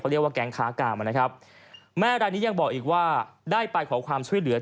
เรียกว่าแก๊งค้ากามนะครับแม่รายนี้ยังบอกอีกว่าได้ไปขอความช่วยเหลือ